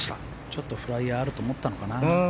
ちょっとフライヤーがあると思ったのかな。